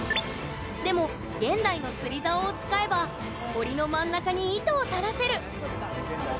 でも、現代の釣り竿を使えば堀の真ん中に糸を垂らせる。